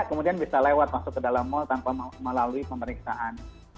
kemudian bisa lewat masuk ke dalam mal tanpa melalui pemeriksaan